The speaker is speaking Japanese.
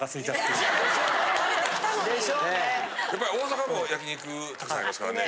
やっぱり大阪も焼き肉たくさんありますからね